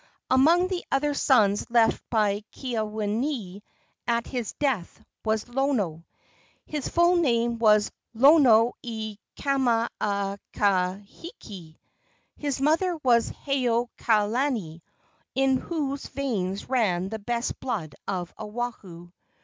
Among the other sons left by Keawenui at his death was Lono. His full name was Lonoikamakahiki. His mother was Haokalani, in whose veins ran the best blood of Oahu.